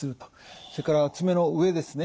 それから爪の上ですね